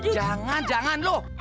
jangan jangan lu